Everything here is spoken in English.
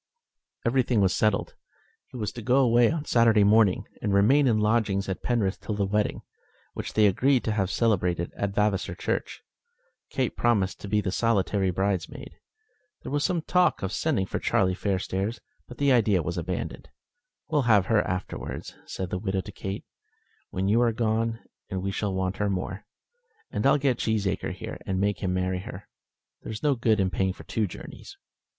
Everything was settled. He was to go away on Saturday morning, and remain in lodgings at Penrith till the wedding, which they agreed to have celebrated at Vavasor Church. Kate promised to be the solitary bridesmaid. There was some talk of sending for Charlie Fairstairs, but the idea was abandoned. "We'll have her afterwards," said the widow to Kate, "when you are gone, and we shall want her more. And I'll get Cheesacre here, and make him marry her. There's no good in paying for two journeys."